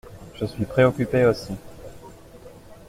Je suis préoccupé aussi.